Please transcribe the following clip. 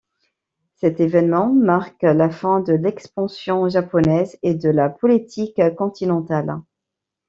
Cet événement marque la fin de l'expansion japonaise et de la Politique continentale.